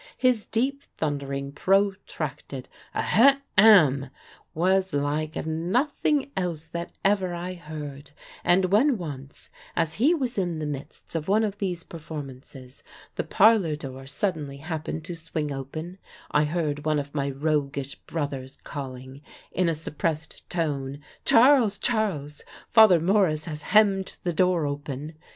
His deep, thundering, protracted "A hem em" was like nothing else that ever I heard; and when once, as he was in the midst of one of these performances, the parlor door suddenly happened to swing open, I heard one of my roguish brothers calling, in a suppressed tone, "Charles! Charles! Father Morris has hemmed the door open!"